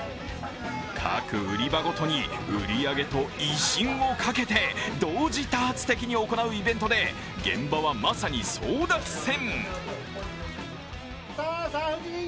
各売り場ごとに売り上げと威信をかけて同時多発的に行うイベントで現場はまさに争奪戦。